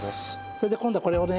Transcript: それで今度はこれをね